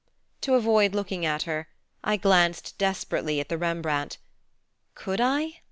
To avoid looking at her, I glanced desperately at the Rembrandt. Could I